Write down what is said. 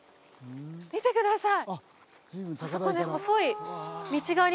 見てください